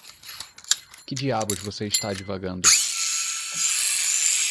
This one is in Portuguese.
Que diabos você está divagando?